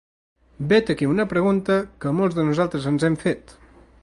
Vet aquí una pregunta que molts de nosaltres ens hem fet.